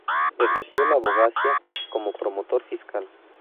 Ejerció la abogacía como promotor fiscal.